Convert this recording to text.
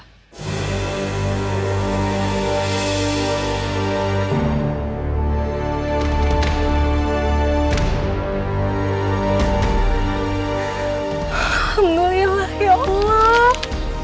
alhamdulillah ya allah